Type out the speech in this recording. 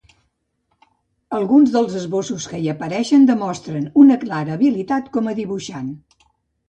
Alguns dels esbossos que hi apareixen demostren una clara habilitat com a dibuixant.